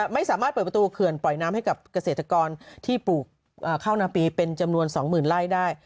ไม่สามารถเปิดประตูเขื่อนปล่อยน้ำให้กับเกษตรกรที่ปลูกข้าวนาปีเป็นจำนวน๒๐๐๐ไร่ได้